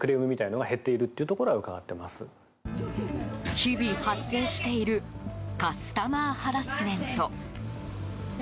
日々、発生しているカスタマーハラスメント。